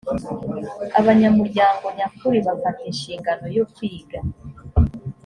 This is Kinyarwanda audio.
abanyamuryango nyakuri bafata inshingano yo kwiga